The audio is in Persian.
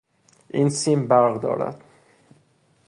این سیم برق دارد.